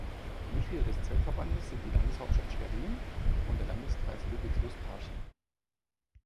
Mitglieder des Zweckverbandes sind die Landeshauptstadt Schwerin und der Landkreis Ludwigslust-Parchim.